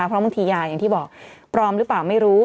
เพราะบางทียาอย่างที่บอกปลอมหรือเปล่าไม่รู้